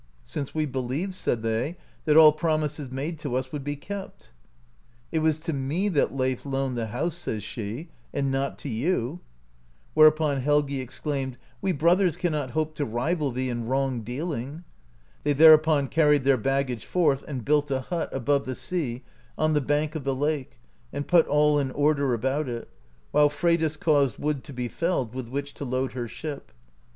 '' Since we be lieved/' said they, "that all promises made to us would be kept/* "It was to me that Leif loaned the house/' says she, "and not to you/' Whereupon Helgi exclaimed : "We brothers cannot hope to rival thee in wrong deal ing;*' They thereupon carried their baggage forth, and built a hut, above the sea, on the bank of the lake, and put all in order about it; while Freydis caused wood to be felled, with w^hich to load her ship.